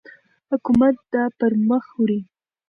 حکومت دا پرمخ وړي.